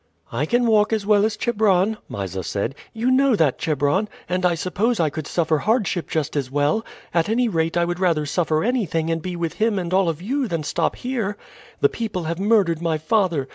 "I can walk as well as Chebron," Mysa said. "You know that, Chebron. And I suppose I could suffer hardship just as well. At any rate, I would rather suffer anything and be with him and all of you than stop here. The people have murdered my father.